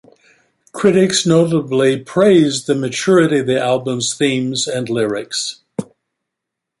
Critics notably praised the maturity of the album's themes and lyrics.